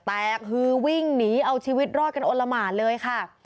แตกฮือวิ่งหนีเอาชีวิตรอดกันโอละหมานเลยค่ะ